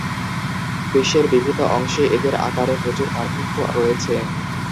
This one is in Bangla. বিশ্বের বিভিন্ন অংশে এদের আকারে প্রচুর পার্থক্য রয়েছে।